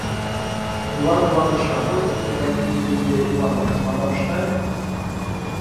Иван Иваныч Рагозов и графиня Лидия Ивановна с мадам Шталь?